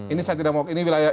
ini saya tidak mau